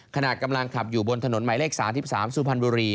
ขนาดกำลังขับอยู่บนถนนไหมเลข๓๓ซูพันบุรี